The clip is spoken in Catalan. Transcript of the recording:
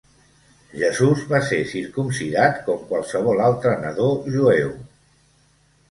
Jesús va ser circumcidat com qualsevol altre nadó jueu.